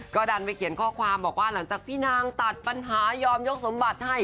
ก็ดันไปเขียนข้อความบอกว่าหลังจากพี่นางตัดปัญหายอมยกสมบัติให้